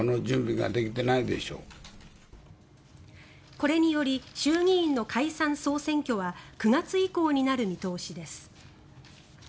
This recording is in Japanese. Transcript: これにより衆議院の解散・総選挙は９月以降になる見通しです。